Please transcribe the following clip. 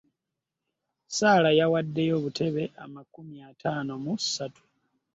Sarah yawaddeyo obutebe amakumi ataano mu ssatu